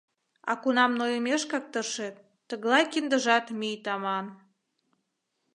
— А кунам нойымешкак тыршет, тыглай киндыжат мӱй таман.